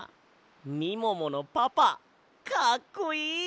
みもものパパかっこいい！